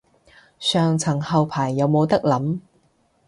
上層後排有冇得諗